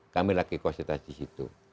kami lagi fasilitas di situ